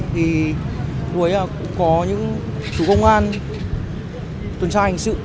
thì có những chú công an tuần tra hành sự